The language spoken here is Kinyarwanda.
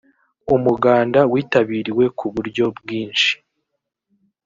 umuganda witabiriwe ku buryo bwinshi